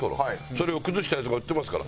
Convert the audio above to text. それを崩したやつが売ってますから。